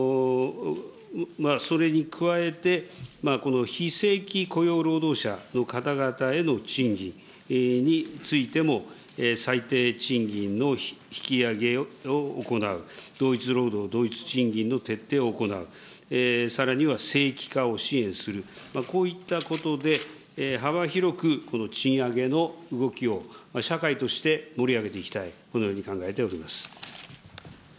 それに加えて、非正規雇用労働者の方々への賃金についても最低賃金の引き上げを行う、同一労働同一賃金の徹底を行う、さらには正規化を支援する、こういったことで幅広く賃上げの動きを、社会として盛り上げていきたい、このように考えております。